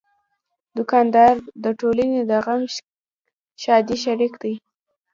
دوکاندار د ټولنې د غم ښادۍ شریک دی.